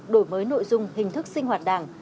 đổi mới nội dung hình thức sinh hoạt đảng